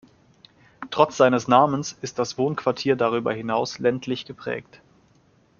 Trotz seines Namens ist das Wohnquartier darüber hinaus ländlich geprägt.